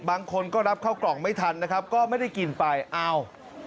บางคนก็รับเข้ากล่องไม่ทันนะครับก็ไม่ได้กินไปอ้าว